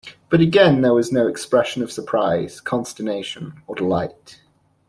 But again there was no expression of surprise, consternation, or delight.